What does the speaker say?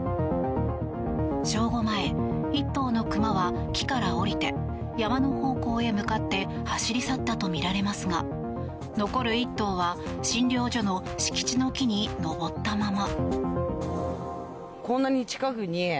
正午前、１頭のクマは木から下りて山の方向へ向かって走り去ったとみられますが残る１頭は診療所の敷地の木に登ったまま。